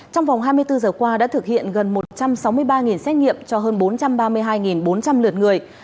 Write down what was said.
trong vòng hai mươi bốn giờ qua đã thực hiện gần một trăm sáu mươi ba xét nghiệm cho hơn bốn trăm ba mươi hai bốn trăm linh lượt người